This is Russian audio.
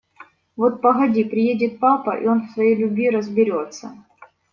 Вот погоди, приедет папа, и он в твоей любви разберется.